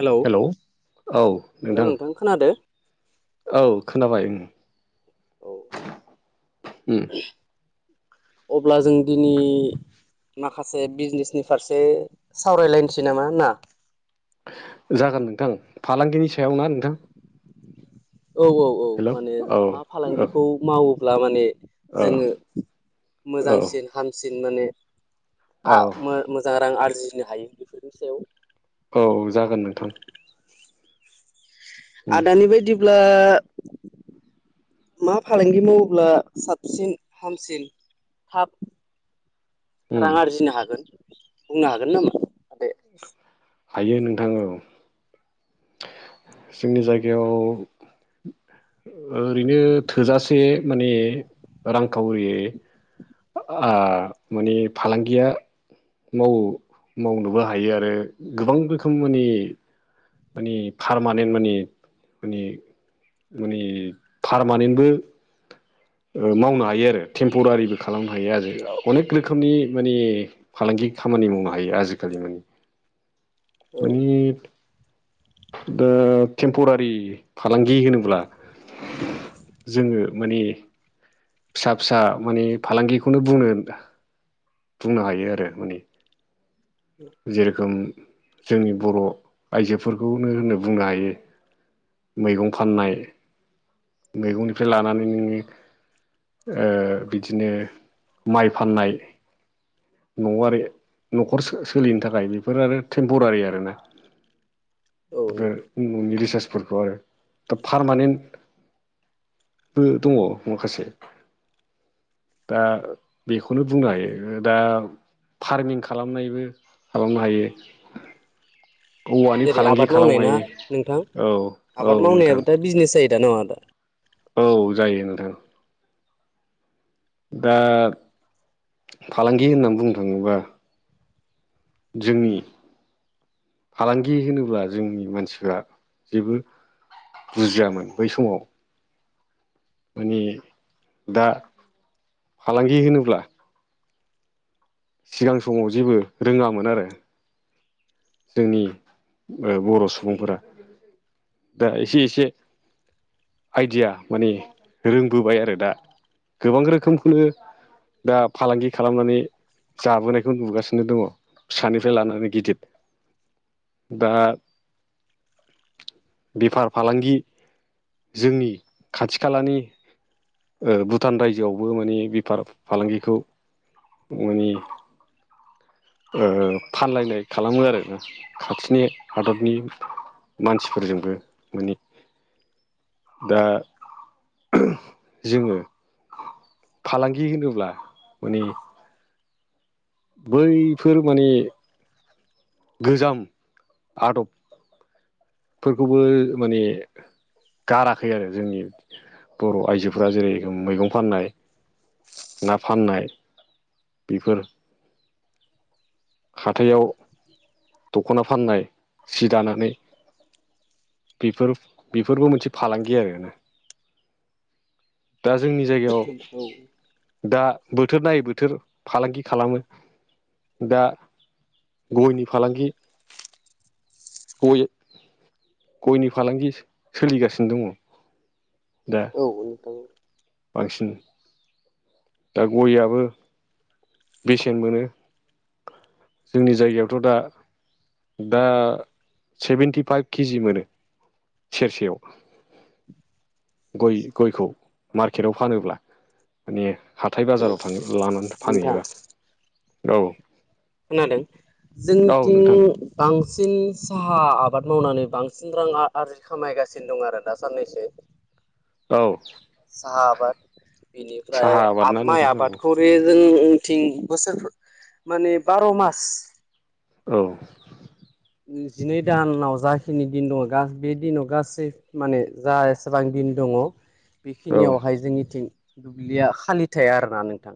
Hello hello नोंथां खोनादो। औ खोनाबाय औ अब्ला जों दिनै माखासे बिजनेसनि फारसे सावरायलायनोसै नामा ना? जागोन नोंथां फालांगिनि सायाव ना नोंथां औ औ औ हेलौ माने औ मा औ फालांगिखौ मावोब्ला माने औ जोङो मोजांसिन हामसिन माने औ मोजां रां आरजिनो हायो बेफोरनि सायाव औ जागोन नोंथां उम आदानि बायदिब्ला मा फालांगि मावोब्ला साबसिन हामसिन थाब उम रां आरजिनो हागोन बुंनो हागोन नामा आदाया हायो नोंथां औ जोंनि जायगायाव ओरैनो थोजासे माने रांखावरि माने फालांगिया माव मावनोबो हायो आरो गोबां रोखोमनि माने फारमानेन्ट माने माने माने पारमानेन्टबो मावनो हायो आरो टेम्परारिबो खालामनो हायो आरो अनेक रोखोमनि मानि फालांगि खामानि मावनो हायो आजिखालि माने औ मानि दा टेम्परारि फालांगि होनोब्ला जोङो माने फिसा फिसा माने फालांगिखौनो बुंनो बुंनो हायो आरो माने जे रोखोम जोंनि बर' आइजोफोरखौनो होनो बुंनो हायो मैगं फाननाय मैगंनिफ्राय लानानै नोङो ओ बिदिनो माइ फाननाय न'आरि न'खर सोलिनो थाखाय बेफोर आरो टेम्परारि आरोना औ बेफोर नोंथां न'नि रिसार्चफोरखौ आरो दा पारमानेन्ट बो दङ माखासे दा बेखौनो बुंनो हायो दा फार्मिं खालामनायबो खालामनो हायो औवानि जेरै फालांगि आबाद खालामनो मावनाय ना हायो नोंथां औ औ आबाद नोंथां मावनायाबो दा बिजनेस जायो दा नङा दा औ जायो नोंथां दा फालांगि होननानै बुंनो थाङोबा जोंनि फालांगि होनोब्ला जोंनि मानसिफ्रा जेबो बुजियामोन बै समाव माने दा फालांगि होनोब्ला सिगां समाव जेबो रोङामोन आरो जोंनि बर' सुबुंफोरा दा एसे एसे आइदिया माने रोंबोबाय आरो दा गोबां रोखोमखौनो दा फालांगि खालामनानै जाबोनायखौ नुगासिनो दङ फिसानिफ्राय लानानै गिदिर दा बेफार फालांगि जोंनि खाथि खालानि ओ भुटान रायजोआवबो माने बेफार फालांगिखौ माने ओ फानलायनाय खालामो आरोना खाथिनि हादरनि मानसिफोरजोंबो माने दा जोङो फालांगि होनोब्ला माने बैफोर माने गोजाम आदब फोरखौबो माने गाराखै आरो जोंनि बर' आइजोफोरा जेरै मैगं फाननाय ना फाननाय बेफोर हाथायाव दख'ना फाननाय सि दानानै बेफोर बेफोरबो मोनसे फालांगि आरो। दा जोंनि जायगायाव औ दा बोथोर नायै बोथोर फालांगि खालामो। दा गयनि फालांगि। गय गयनि फालांगि सोलिगासिनो दङ। दा औ नोंथां बांसिन दा गय'आबो बेसेन मोनो। जोंनि जायगायावथ' दा दा सेभेेनटिफाइभ केजि मोनो सेरसेयाव। गय गयखौ मार्केटआव फानोब्ला माने हाथाय बाजाराव। था लानानै नोंथां फानहैबा गाव खोनादों जोंतिनि बांसिन साहा आबाद मावनानै बांसिन रां आर आरजि खामायगासिनो दं आरो दासान्नैसो औ साहा आबाद बिनिफ्राय साहा आबाद आब ना माइ नोंथां औ आबादखौ बे जोंथिं बोसोर माने बार' मास। औ जिनै दानाव जाखिनि दिन दङ बे दिनाव गासै माने जा एसेबां दिन दंङ औ बेखिनियावहाय जोंनिथिं दुब्लिया खालि थाया आरोना नोंथां।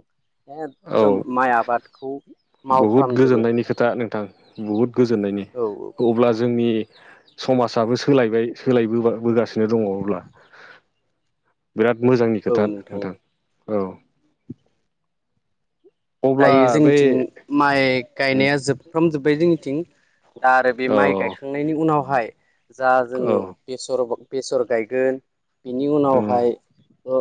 एगदम औ माइ आबादखौ मावफ्रामजोबो। नि खोथा नोंथां। बहुद गोजोननायनायनि औ औ। अब्ला जोंनि समाजाबो सोलायबाय सोलायबोबाय बोगा औ सिनो दङब्लावोब्ला बिराद मोजांनि खोथा नोंथां औ। अब्ला दायो बै जोंनिथिं माइ गायनाया औ जोबफ्राम जोब्बाय जोंनिथिं। दा आरो बे माइ गायखांनायनि उनावहाय जा औ जोङो। बेसर बेसर गायगोन। बिनि अ उनावहाय ओ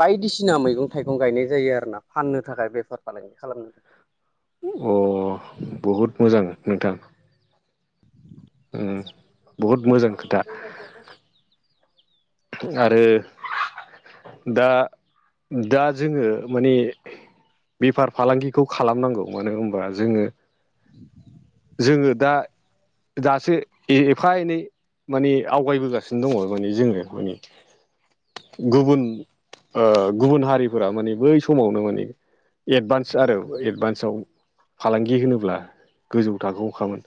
बायदिसिना मैगं थाइगं गायनाय जायो आरो ना फाननो थाखाय बेफार फालांगि खालामनो। अ बहुद मोजां नोंथां। [inaudible] उम बहुद मोजां खोथा आरो दा दा जोंङो माने बेफार फालांगिखौ खालामनांगौ मानो होनबा जोंङो जोंङो दा दासो एफा एनै माने आवगायबोगासिनो दङ माने जोंङो माने गुबुन ओ गुबुन हारिफोरा माने बै समावनो माने एडभान्स आरो एडभान्सआव फालांगि होनोब्ला गोजौ थाखो आवखामोन।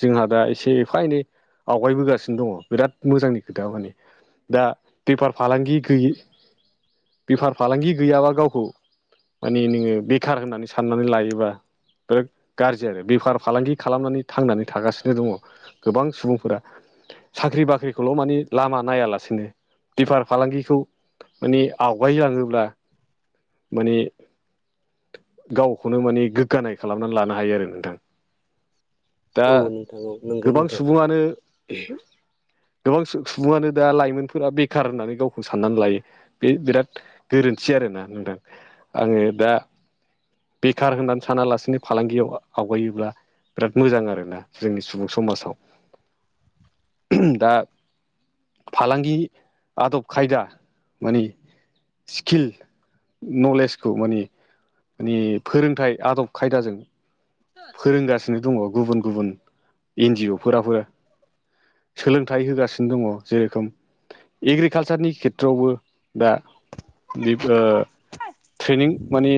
जोंहा दा एसे एफा एनै आवगायबोगासिनो दंङो बिराद मोजांनि खोथा माने दा बेफार फालांगि गैयि बेफार फालांगि गैयाबा गावखौ माने नोंङो बेखार होननानै साननानै लायोबा बिराद गाज्रि आरो बेखार फालांगि खालामनानै थांनानै थागासिनो दंङो गोबां सुबुंफोरा साख्रि बाख्रिखौल' माने लामा नायालासिनो बेफार फालांगिखौ माने आवगायलांङोब्ला माने गावखौनो माने गोग्गानाय खालामनानै लानो हायो आरो नोंथां दा औ नोंथां औ नंगौ गोबां नोंथां सुबुंङानो गोबां सुबुंङानो दा लाइमोनफोरा बेखार होननानै गावखौ साननानै लायो। बे बिराद गोरोन्थि आरोना नोंदां आंङो दा बेखार होननानै सानालासिनो फालांगियाव आवगायोब्ला बिराद मोजां आरोना जोंनि सुबुं समाजाव दा फालांगि आदब खायदा माने स्किल नलेजखौ माने माने फोरोंथाइ आदब खायदाजों फोरोंगासिनो दङ गुबुन गुबुन एनजअ फोराबो सोलोंथाइ होगासिनो दंङो जे रोखोम एग्रिकालसारनि खेथ्रआवबो दा ट्रेनिं माने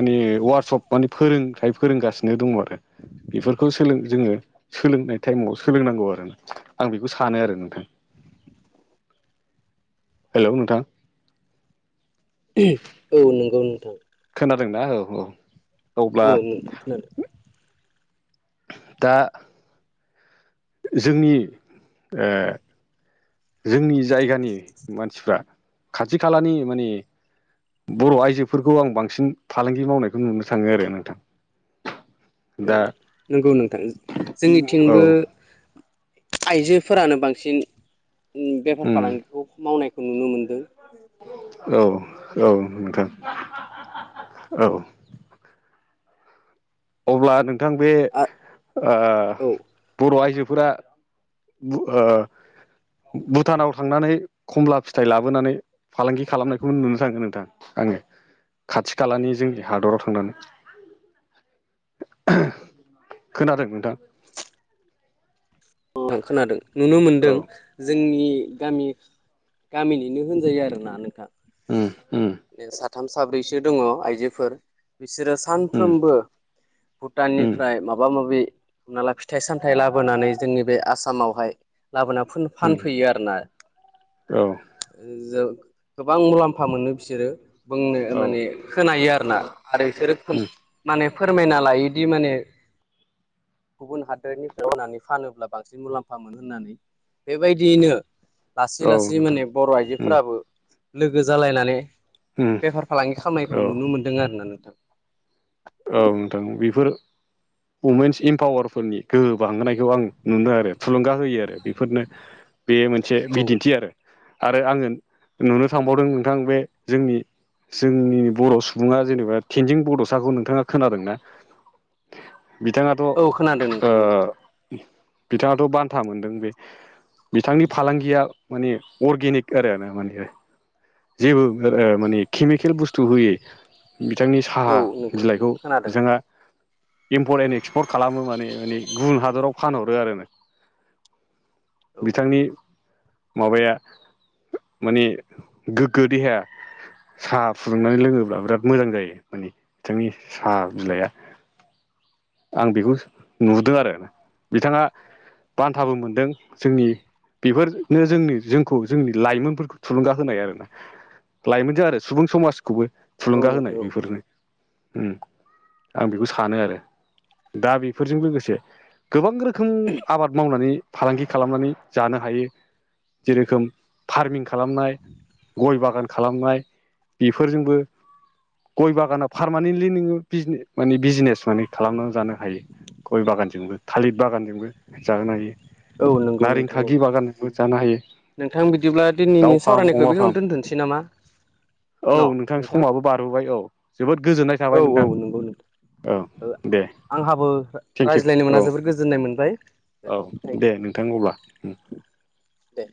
माने वार्कशप माने फोरोंथाय फोरोंगासिनो दङ आरो बेफोरखौ सोलों जोङो सोलोंनाय टाइमाव सोलोंनांगौ आरो आं बेखौ सानो आरो नोंथां [inaudible] हेल' नोंथां औ नंगौ नोंथां खोनादोंना औ-औ औ नोंथां खोनादों दा जोंनि आ जोंनि जायगानि मानसिफ्रा खाथि खालानि मानि बर' आइजोफोरखौ आं बांसिन फालांगि मावनायखौ नुनो थाङो आरो नोंथां औ दा नंगौ नोंथां औ जोंनिथिंबो आइजोफोरानो बांसिन बेफार फालांगिखौ मावनायखौ नुनो मोनदों औ-औ नोंथां औ अब्ला नोंथां बे आ औ बर' आइजोफोरा भुटानाव थांनानै खमला फिथाइ लाबोनानै फालांगि खालामनायखौ नुनो थांगोन नोंथां आंङो खाथि खालानि जोंनि हादराव थांनानै खोनादों नोंथां आं खोनादों नुनो मोनदों औ जोंनि गामि गामिनिनो होनजायो आरोना नोंथां उम-उम बे साथाम साब्रैसो दङ आइजोफोर बिसोरो उम सानफ्रोमबो उम भुटाननिफ्राय माबा माबि हमना ला फिथाइ सामथाइ लाबोनानै जोंनि बे आसामावहाय लाबोना फुन उम फानफैयो आरोना औ जे गोबां मुलाम्फा मोनो बिसोरो बुंनो औ माने खोनायो आरोना आरो बिसोरो खोन उम माने फोरमायना लायोदि माने गुबुन हादोरनिफ्राय होननानै फानोब्ला बांसिन मुलाम्फा मोनोन होननानै बेबायदियैनो लासै औ लासै नोंथां माने बर' उम आइजोफोराबो लोगो जालायनानै उम बेफार फालांगि खामनायखौ औ नुनो मोन्दों आरो ना नोंथां औ नोंथां बेफोर वमेन्स इम्पावारफोरनि गोहो बांहोनायखौ आं नुनो आरो थुलुंगा होयो आरो बेफोरनो [inaudible] बे मोनसे औ बिदिन्थि आरो आरो आङो नुनो थांबावदों नोंथां बे जोंनि जोंनि बर' सुबुङा जेनेबा थेनजिं बड'साखौ नों थाङा खोनादोंना बिथाङा औ खोनादों नोंथां औ बिथाङाथ' बान्था मोनदों बे बिथांनि फालांगिया माने अर्गेनिक आरो ना माने जेबो माने केमिकेल बुस्थु होयै बिथांनि औ साहा नोंथां बिलाइखौ खोनादों बिथाङा इम्पर्ट एन्ड एक्सपर्ट खालामो माने माने गुबुन हादराव फानहरो आरोनो औ बिथांनि माबाया माने गोग्गो देहाया साहा फुदुंनानै लोङोब्ला बिराद मोजां जायो माने बिथांनि साहा बिलाइआ आं बेखौ नुदों आरो बिथाङा बान्थाबो मोनदों जोंनि बेफोरनो जोंनि जोंखौ जोंनि लाइमोनफोरखौ थुलुंगा होनाय आरोना लाइमोन जों आरो सुबुं समाजखौबो औ थुलुंगा होनाय नोंथां औ बेफोरनो उम आं बेखौ सानो आरो दा बेफोरजों लोगोसे गोबां रोखोम आबाद मावनानै फालांगि खालामनानै जानो हायो जेरोखोम फार्मिं खालामनाय गय बागान खालामनाय बेफोरजोंबो गय बागाना पारमानेन्टलि नोङो बिजनेस माने बिजिनेस माने खालामनानै जानो हायो गय बागानजोंबो थालिर बागानजोंबो जाहोनो हायो औ नंगौ नोंथां औ नारेंखागि बागानजोंबो जानो हायो नोंथां बिदिब्ला दाउ दिनैनि फार्म सावरायनायखौ अमा फार्म बेयावनो दोनथ'सै नामा औ नोंथां समाबो बारबोबाय औ जोबोद गोजोननाय औ थाबाय औ नोंथां नंगौ नोंथां औ दे आंहाबो थेंकिउ रायज्लायनो मोना औ जोबोद गोजोननाय मोनबाय औ दे नोंथां अब्ला उम दे